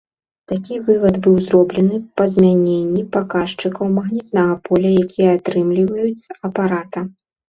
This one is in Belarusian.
Такі вывад быў зроблены па змяненні паказчыкаў магнітнага поля, якія атрымліваюць з апарата.